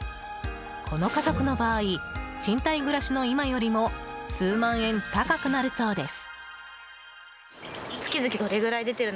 この家族の場合賃貸暮らしの今よりも数万円高くなるそうです。